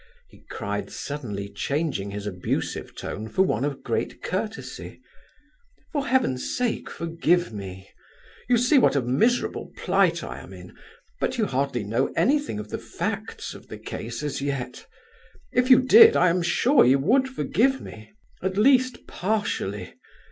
he cried, suddenly changing his abusive tone for one of great courtesy. "For Heaven's sake, forgive me! You see what a miserable plight I am in, but you hardly know anything of the facts of the case as yet. If you did, I am sure you would forgive me, at least partially.